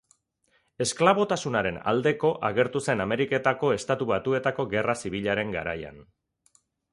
Esklabotasunaren aldeko agertu zen Ameriketako Estatu Batuetako Gerra Zibilaren garaian.